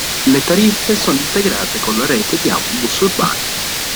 Le tariffe sono integrate con la rete di autobus urbani.